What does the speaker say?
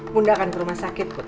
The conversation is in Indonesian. bunda akan ke rumah sakit bud